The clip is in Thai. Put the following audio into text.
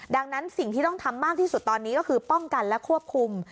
ดังนั้นสิ่งที่ต้องทำมากที่สุดตอนนี้ก็คือป้องกันและควบคุม